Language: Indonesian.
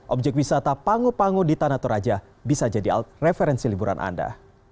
objek wisata pangu pangu di tanah toraja bisa jadi alat referensi liburan anda